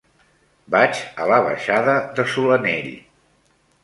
Vaig a la baixada de Solanell.